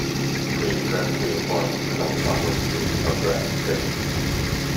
Prestressed reinforcement along the bottom of the beam counteracts this.